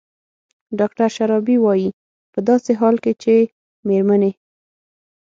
ډاکتر شرابي وايي په داسې حال کې چې مېرمنې